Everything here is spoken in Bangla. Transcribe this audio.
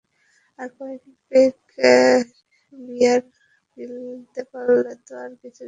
আর, কয়েক পেগ বিয়ার গিলতে পারলে তো আর কিছু চাওয়ার ছিল না!